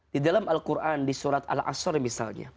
di dalam al quran di surat al asr misalnya